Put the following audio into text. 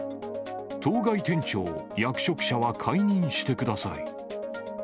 当該店長、役職者は解任してください。